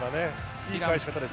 いい返し方です。